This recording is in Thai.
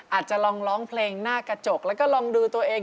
อาจจะลองร้องเพลงหน้ากระจกแล้วก็ลองดูตัวเอง